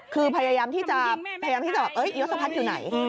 คือพยายามที่จะยศพัฒน์อยู่ไหน